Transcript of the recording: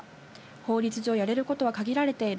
法律上やれることは限られている。